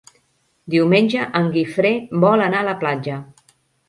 Diumenge en Guifré vol anar a la platja.